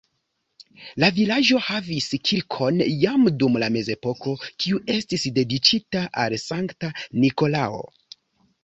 La vilaĝo havis kirkon jam dum la mezepoko, kiu estis dediĉita al Sankta Nikolao.